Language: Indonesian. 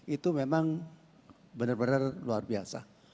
itu memang benar benar luar biasa